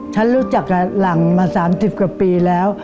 ฉันรู้จักกับหลังมา๓๐กว่าปีแล้ว